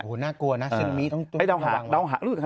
โอ้โฮน่ากลัวนะซึ่งมีต้องระวังว่า